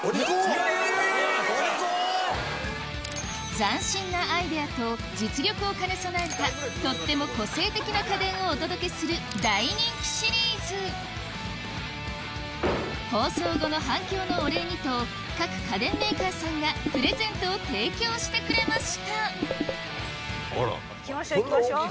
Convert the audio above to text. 斬新なアイデアと実力を兼ね備えたとっても個性的な家電をお届けする大人気シリーズ放送後の反響のお礼にと各家電メーカーさんがプレゼントを提供してくれましたあら。